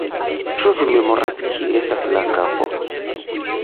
Ĉu vi memoras kie estas la kapo?